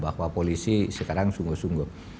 bahwa polisi sekarang sungguh sungguh